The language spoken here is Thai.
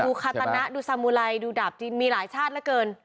ดูคาตนะดูสามุไลย์ดูดาบที่มีหลายชาติเยอะเกิน